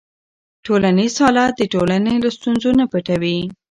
ټولنیز حالت د ټولنې له ستونزو نه پټوي.